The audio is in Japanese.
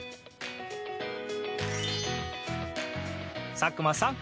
佐久間さん